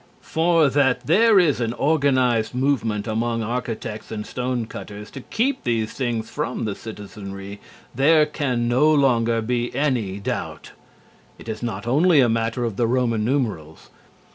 For that there is an organized movement among architects and stone cutters to keep these things from the citizenry there can no longer be any doubt. It is not only a matter of the Roman numerals.